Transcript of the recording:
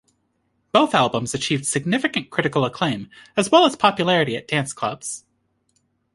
Both albums achieved significant critical acclaim as well as popularity at dance clubs.